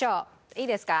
いいですか？